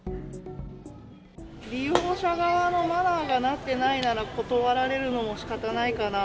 利用者側のマナーがなってないなら、断られるのもしかたないかな。